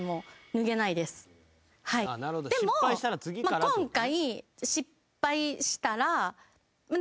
でも今回。